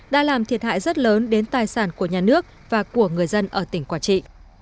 đã làm thiệt hại rất lớn đến tài sản của nhà nước và của người dân ở tỉnh quảng trị